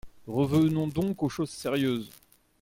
Revenons donc aux choses sérieuses.